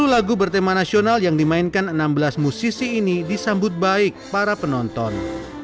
sepuluh lagu bertema nasional yang dimainkan enam belas musisi ini disambut baik para penonton